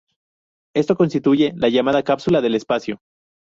Esto constituye la llamada cápsula del espacio.